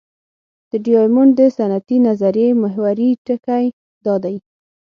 د ډیامونډ د سنتي نظریې محوري ټکی دا دی.